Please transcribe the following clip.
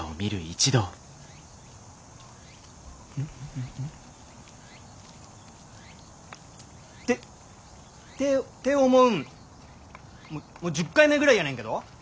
ってって思うんもう１０回目ぐらいやねんけど。